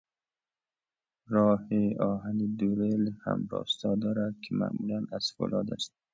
راه آهن دو ریل همراستا دارد که معمولاً از فولاد است.